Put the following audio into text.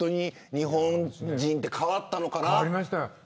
日本人って変わったのかな。